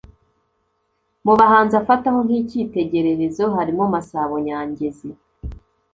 Mu bahanzi afataho nk’icyitegererezo harimo Masabo Nyangezi